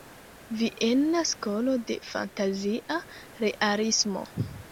Viena skolo de fantazia realismo.